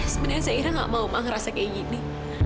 sebenarnya zaira gak mau ma ngerasa kayak gini